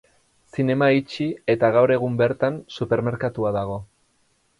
Zinema itxi eta gaur egun bertan supermerkatua dago.